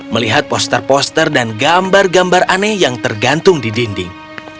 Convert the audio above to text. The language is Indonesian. melihat poster poster dan gambar gambar aneh yang tergantung di dinding